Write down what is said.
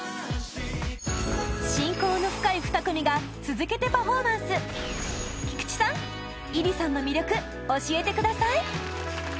親交の深い２組が続けてパフォーマンス菊池さん、ｉｒｉさんの魅力教えてください！